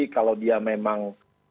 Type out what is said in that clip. kalau dia memang